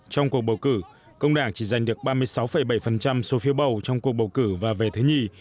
trong cuộc bầu cử công đảng chỉ giành được ba mươi sáu bảy số phiếu bầu trong cuộc bầu cử và về thứ nhì